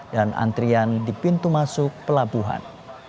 dan antrian di pintu masuk pelabuhan